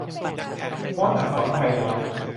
ฟอนต์อักษรไทน้อย